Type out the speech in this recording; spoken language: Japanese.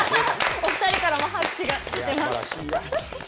お２人からも、拍手が来ています。